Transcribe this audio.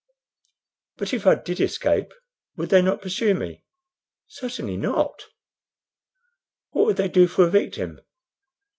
"But if I did escape, would they not pursue me?" "Certainly not." "What would they do for a victim?"